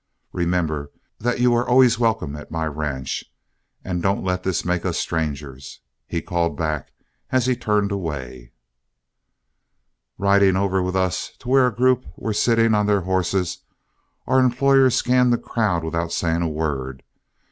Remember that you're always welcome at my ranch, and don't let this make us strangers," he called back as he turned away. Riding over with us to where a group were sitting on their horses, our employer scanned the crowd without saying a word.